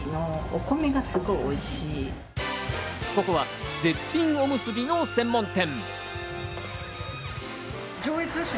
ここは絶品おむすびの専門店。